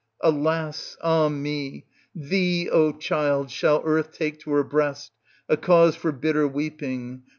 Ala^! ah me ! thee, O child, shall earth take to her breast, a cause for bitter weeping.